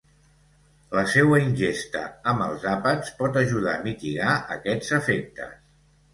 La seua ingesta amb els àpats pot ajudar a mitigar aquests efectes.